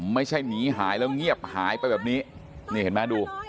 ไม่ใช่หนีหายแล้วเงียบหายไปแบบนี้นี่เห็นไหมดู